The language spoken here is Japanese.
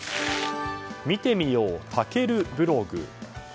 見てみよう、たけるブログ。